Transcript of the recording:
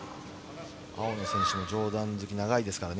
青の選手の上段突き、長いですからね。